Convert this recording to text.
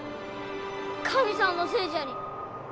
神さんのせいじゃに。